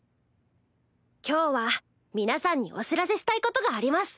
今日は皆さんにお知らせしたいことがあります。